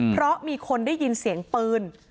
เพราะมีคนได้ยินเสียงปืน